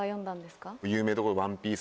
有名どころ。